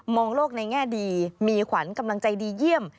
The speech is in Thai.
โลกในแง่ดีมีขวัญกำลังใจดีเยี่ยม